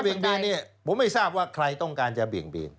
เบียนเนี่ยผมไม่ทราบว่าใครต้องการจะเบี่ยงเบียน